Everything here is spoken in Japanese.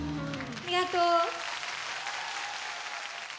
ありがとう！